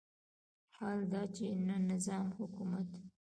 حال دا چې نه نظام حکومت دی.